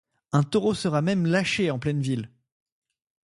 Un taureau sera même lâché en pleine ville.